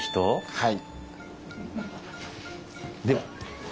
はい。